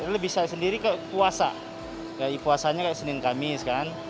lebih saya sendiri ke puasa ke puasanya kayak senin kamis kan